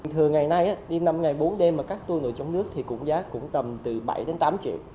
thường ngày nay đi năm ngày bốn đêm mà các tour nội trong nước thì giá cũng tầm từ bảy tám triệu